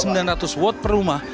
sembilan ratus watt per rumah